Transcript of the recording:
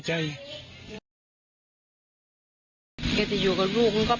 เห็นมั้ยว่ายตรงนั้น